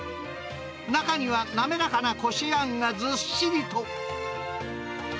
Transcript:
中には滑らかなこしあんがずっしりと。